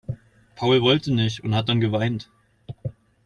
Paul wollte nicht und hat dann geweint.